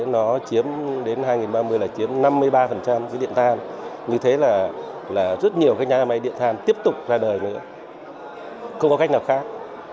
nó chiếm đến hai nghìn ba mươi là chiếm năm mươi ba dưới điện than như thế là rất nhiều nhà máy điện than tiếp tục ra đời nữa không có cách nào khác